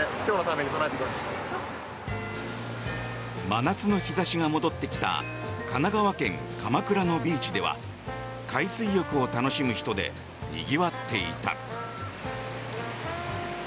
真夏の日差しが戻ってきた神奈川県鎌倉のビーチでは海水浴を楽しむ人でにぎわっていた。